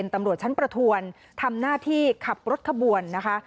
ตำรวจชั้นประทวนทำหน้าที่ขับรถขบวนนะคะ